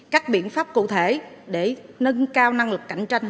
các biện pháp cụ thể để nâng cao năng lực cạnh tranh